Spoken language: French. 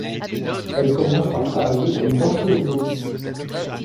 Elle commence par travailler comme danseuse exotique.